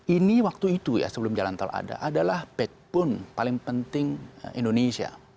ini waktu itu ya sebelum jalan tol ada adalah backbone paling penting indonesia